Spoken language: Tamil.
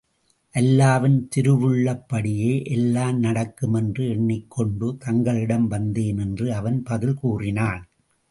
அல்லாவின் திருவுள்ளப் படியே எல்லாம் நடக்குமென்று எண்ணிக்கொண்டு தங்களிடம் வந்தேன் என்று அவன் பதில் கூறினான்.